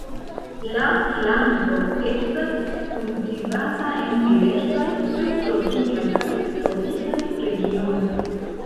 La planto estas kultivata en diversaj subtropikaj kaj tropikaj regionoj.